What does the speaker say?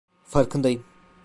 Farkındayım.